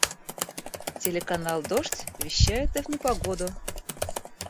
Телеканал "Дождь" вещает и в непогоду.